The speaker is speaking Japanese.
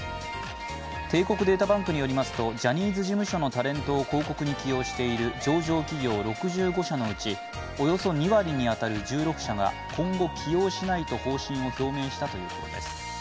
帝国データバンクによりますとジャニーズ事務所のタレントを広告に起用している上場企業６５社のうちおよそ２割に当たる１６社が今後、起用しないと方針を表明したということです。